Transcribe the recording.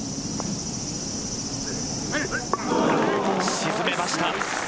沈めました。